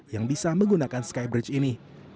yang bisa menggunakan skybridge ini